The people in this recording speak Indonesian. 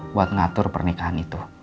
buat ngatur pernikahan itu